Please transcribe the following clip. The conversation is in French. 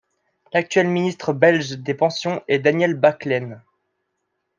L'actuel ministre belge des Pensions est Daniel Bacquelaine.